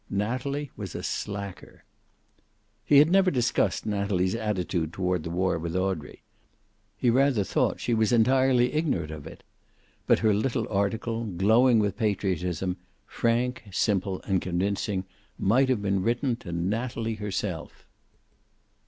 Natalie was a slacker. He had never discussed Natalie's attitude toward the war with Audrey. He rather thought she was entirely ignorant of it. But her little article, glowing with patriotism, frank, simple, and convincing, might have been written to Natalie herself.